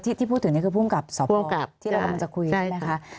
ที่พูดถึงนี่คือภูมิกับสอบพ่อกับที่เรากำลังจะคุยใช่ไหมคะ